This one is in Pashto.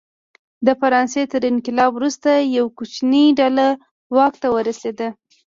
د فرانسې تر انقلاب وروسته یوه کوچنۍ ډله واک ته ورسېده.